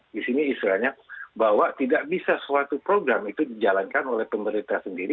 di sini istilahnya bahwa tidak bisa suatu program itu dijalankan oleh pemerintah sendiri